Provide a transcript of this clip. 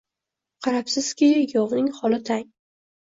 Qarabsizki, yovning holi tang.